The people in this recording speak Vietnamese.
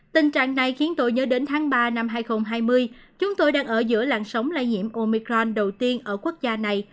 tình trạng này khiến tôi nhớ đến tháng ba năm hai nghìn hai mươi chúng tôi đang ở giữa làng sống lây nhiễm omicron đầu tiên ở quốc gia này